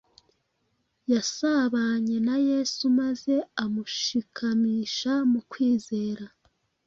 Yasabanye na Yesu maze amushikamisha mu kwizera